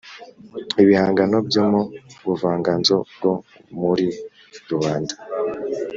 ibihangano byo mu buvanganzo bwo muri rubanda